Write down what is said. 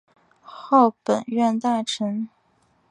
号本院大臣。